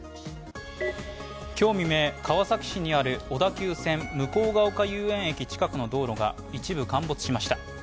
今日未明、川崎市にある小田急線向ヶ丘遊園駅近くの道路が一部、陥没しました。